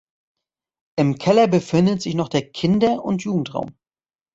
Im Keller befindet sich noch der Kinder- und Jugendraum.